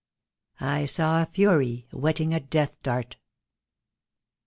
" I saw a Fury whetting a death dart."